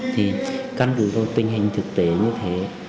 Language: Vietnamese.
thì căn cứ vào tình hình thực tế như thế